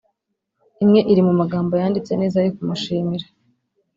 imwe iri mu magambo yanditse neza yo kumushimira